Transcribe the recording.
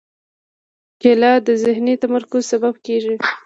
کېله د ذهني تمرکز سبب کېږي.